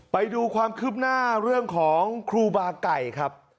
ไปดูความคืบหน้าเรื่องของครูบาไก่ครับ